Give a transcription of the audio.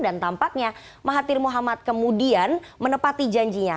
dan tampaknya mahathir mohamad kemudian menepati janjinya